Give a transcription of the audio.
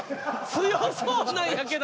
強そうなんやけど。